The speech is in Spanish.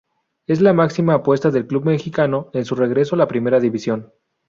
Es la máxima apuesta del club Mexicano en su regreso a la primera división.